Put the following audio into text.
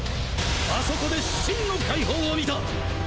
あそこで真の解放を見た！